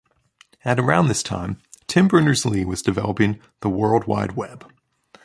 At around this time, Tim Berners-Lee was developing the World Wide Web.